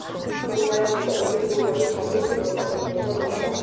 სიმღერა ბრიტანეთის სინგლების ჩარტის პირველ პოზიციაზე მოხვდა.